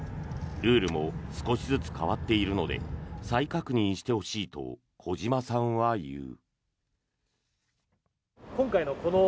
ルールも少しずつ変わっているので再確認してほしいと小嶋さんは言う。